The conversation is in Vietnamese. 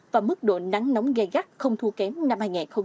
và mức độ nắng nóng gai gắt không thua kém năm hai nghìn hai mươi